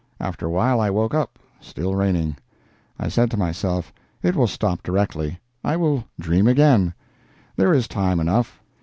After a while I woke up—still raining. I said to myself, it will stop directly—I will dream again—there is time enough.